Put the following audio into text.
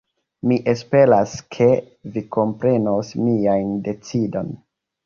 Mi esperas ke vi komprenos mian decidon.